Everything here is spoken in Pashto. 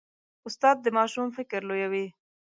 استاد د ماشوم فکر لویوي.